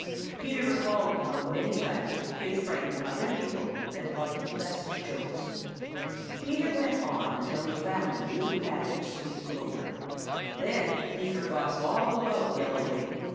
Peter recalled how many times he had frightened other people and thought it the best of jokes. Peter went on until he found a new patch of sweet clover. Then he forgot all about Yellow Wing.